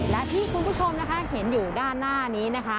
และที่คุณผู้ชมนะคะเห็นอยู่ด้านหน้านี้นะคะ